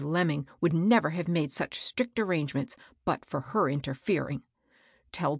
Lemming would never have made such strict arrangements but for her interfering. Tell the.